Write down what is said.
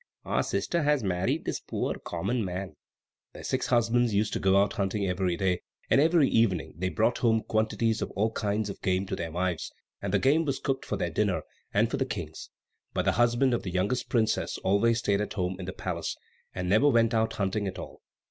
our sister has married this poor, common man!" Their six husbands used to go out hunting every day, and every evening they brought home quantities of all kinds of game to their wives, and the game was cooked for their dinner and for the King's; but the husband of the youngest princess always stayed at home in the palace, and never went out hunting at all.